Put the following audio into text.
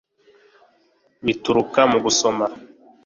bituruka mu gusoma.